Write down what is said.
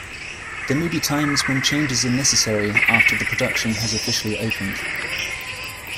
There may be times when changes are necessary after the production has officially opened.